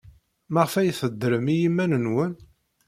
Maɣef ay teddrem i yiman-nwen?